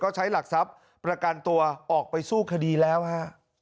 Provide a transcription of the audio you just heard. ก็ใช้หลักทรัพย์ประกันตัวออกไปสู้คดีแล้วฮะ